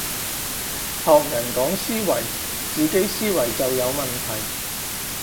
學人講思維，自己思維就有問題